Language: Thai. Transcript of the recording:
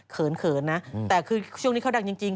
เขินนะแต่คือช่วงนี้เขาดังจริง